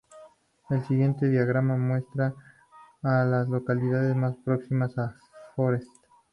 El siguiente diagrama muestra a las localidades más próximas a Forest.